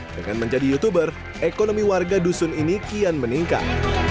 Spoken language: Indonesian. dengan menjadi youtuber ekonomi warga dusun ini kian meningkat